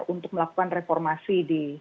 untuk melakukan reformasi di